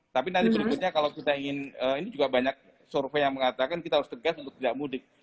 tapi nanti berikutnya kalau kita ingin ini juga banyak survei yang mengatakan kita harus tegas untuk tidak mudik